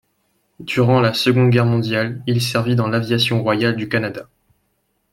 Durant la Seconde Guerre mondiale, il servit dans l'Aviation royale du Canada.